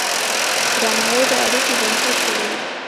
درناوی د اړیکو بنسټ جوړوي.